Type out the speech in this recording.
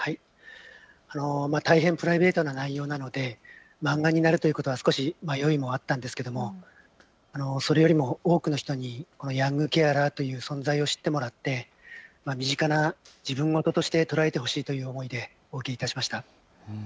大変プライベートな内容なので漫画になるということは少し迷いもあったんですけどそれよりも多くの人にヤングケアラーという存在を知ってもらって身近な自分事として捉えてほしいと思ってお受けいたしました。